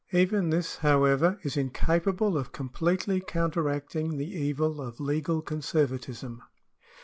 Even this, however, is incapable of completely counteracting the evil of legal con servatism.